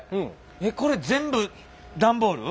えっこれ全部段ボール？